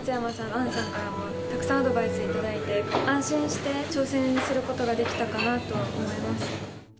杏さんからもたくさんアドバイスいただいて安心して挑戦することができたかなと思います